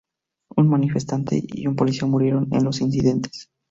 Un manifestante y un policía murieron en los incidentes.